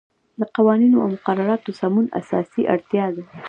د قوانینو او مقرراتو سمون اساسی اړتیا ده.